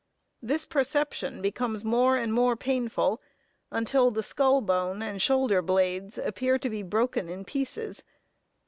This perception becomes more and more painful, until the skull bone and shoulder blades appear to be broken in pieces.